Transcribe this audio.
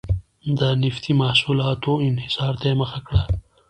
د نفتي محصولاتو انحصار ته یې مخه کړه.